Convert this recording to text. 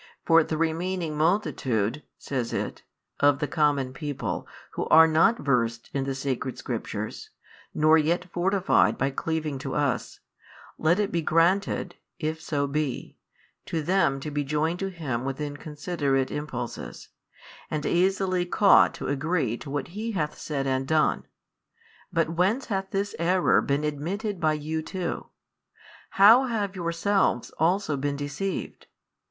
For the remaining multitude (says it) of the common people who are not versed in the sacred Scriptures, nor yet fortified by cleaving to us, let it be granted (if so be) to them to be joined to Him with inconsiderate impulses, and easily caught to agree to what He hath said and done: but whence hath this error been admitted by you too? how have yourselves also been deceived?